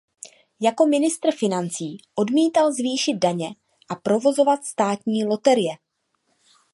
Jako ministr financí odmítal zvýšit daně a provozovat státní loterie.